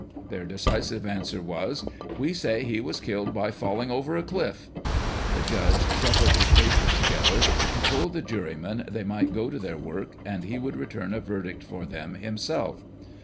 Their deci sive answer was, "We say he was killed by falling over a cliff." The judge shuffled his papers together, and told the jurymen they might go to their work, and lie would return a verdict for them himself.